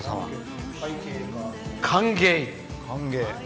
「歓迎」。